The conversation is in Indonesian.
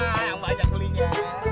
hahaha yang banyak belinya